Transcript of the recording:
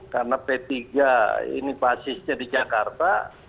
karena p tiga ini basisnya di jakarta